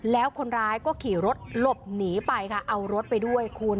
แล้วคนร้ายก็ขี่รถหลบหนีไปค่ะเอารถไปด้วยคุณ